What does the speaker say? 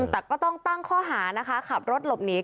แต่ก็ต้องตั้งข้อหานะคะขับรถหลบหนี